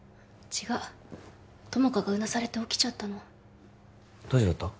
違う友果がうなされて起きちゃったの大丈夫だった？